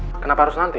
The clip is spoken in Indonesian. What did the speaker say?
kenapa harus nanti